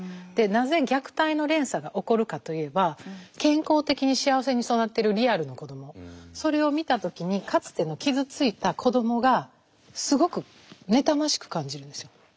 なぜ虐待の連鎖が起こるかといえば健康的に幸せに育っているリアルの子どもそれを見た時にかつての傷ついた子どもがすごく妬ましく感じるんですよ。